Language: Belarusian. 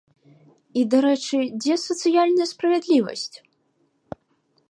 І, дарэчы, дзе сацыяльная справядлівасць?